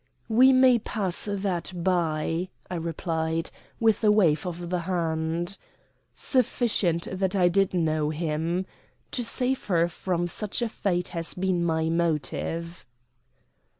"We may pass that by," I replied, with a wave of the hand; "sufficient that I did know him. To save her from such a fate has been my motive."